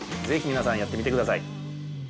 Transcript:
ぜひ皆さん、やってみてください。